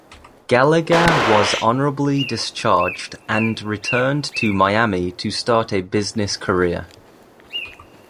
Gallagher was honorably discharged and returned to Miami to start a business career.